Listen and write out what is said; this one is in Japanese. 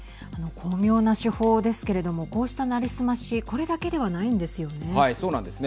巧妙な手法ですけれどもこうした成り済ましこれだけではないんですよね。